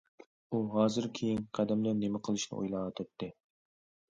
ئۇ ھازىر كېيىنكى قەدەمدە نېمە قىلىشنى ئويلاۋاتاتتى.